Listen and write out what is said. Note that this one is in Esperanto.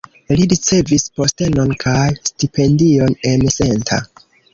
Li ricevis postenon kaj stipendion en Senta.